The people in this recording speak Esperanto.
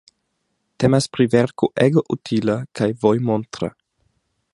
Temas pri verko ege utila kaj vojmontra.